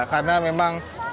karena memang tempat rutin kita